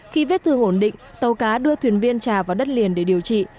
khi vết thư ổn định tàu cá đưa thuyền viên trà vào đất liền để điều trị